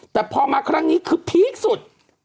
แต่พอมาครั้งนี้คือพีคสุด